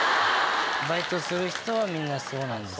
バイトする人はみんなそうです。